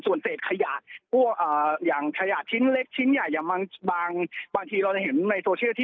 ส่วนเศษขยะพวกอย่างขยะชิ้นเล็กชิ้นใหญ่อย่างบางทีเราจะเห็นในโซเชียลที่